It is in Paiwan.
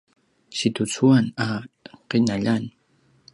situcuan a qinaljan